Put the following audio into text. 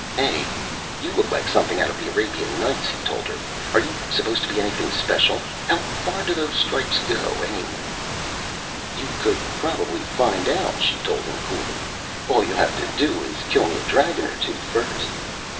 "Hey, you look like something out of the Arabian Nights," he told her. "Are you supposed to be anything special? How far do those stripes go, anyway?" "You could probably find out," she told him coolly. "All you have to do is kill me a dragon or two first."